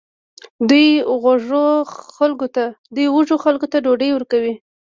دوی وږو خلکو ته ډوډۍ ورکوي.